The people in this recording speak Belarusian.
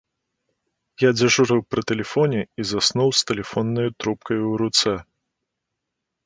Я дзяжурыў пры тэлефоне і заснуў з тэлефоннаю трубкаю ў руцэ.